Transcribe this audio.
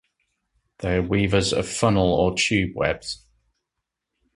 They are weavers of funnel or tube webs.